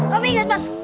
kamu inget pak